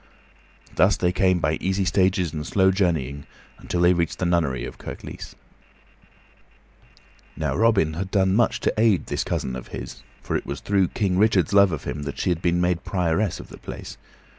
Thus they came by easy stages and slow journeying until they reached the Nunnery of Kirklees. Now Robin had done much to aid this cousin of his; for it was through King Richard's love of him that she had been made prioress of the place.